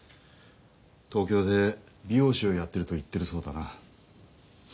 東京で美容師をやってると言ってるそうだな。